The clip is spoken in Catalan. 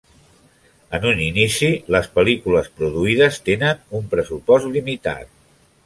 En un inici les pel·lícules produïdes tenen un pressupost limitat.